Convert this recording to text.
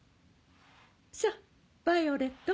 さヴァイオレット。